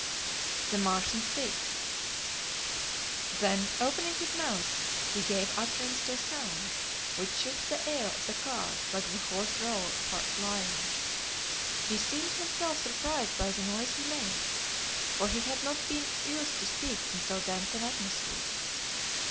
The Martian Speaks. Then, opening his mouth, he gave utterance to a sound which shook the air of the car like the hoarse roar of a lion. He seemed himself surprised by the noise he made, for he had not been used to speak in so dense an atmosphere.